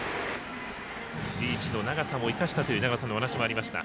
リーチの長さも生かしたという長野さんのお話もありました。